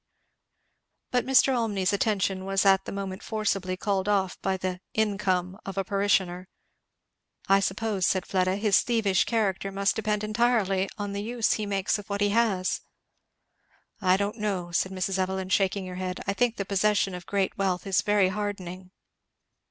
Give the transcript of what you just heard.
But Mr. Olmney's attention was at the moment forcibly called off by the "income" of a parishioner. "I suppose," said Fleda, "his thievish character must depend entirely on the use he makes of what he has." "I don't know," said Mrs. Evelyn shaking her head, "I think the possession of great wealth is very hardening."